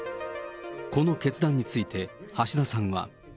この決断について、橋田さんは。